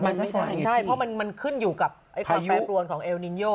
มันไม่ใช่ใช่เพราะมันขึ้นอยู่กับความแปรปรวนของเอลนินโย